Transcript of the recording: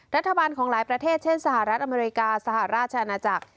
รัฐบาลของหลายประเทศเช่นสหรัฐอเมริกาสหราชอาณาจักร